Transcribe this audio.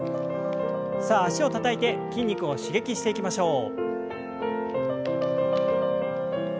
さあ脚をたたいて筋肉を刺激していきましょう。